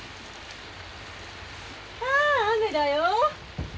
ああ雨だよ。